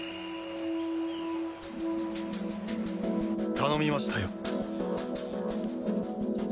頼みましたよ。